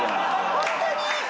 ホントに。